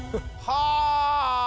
はあ！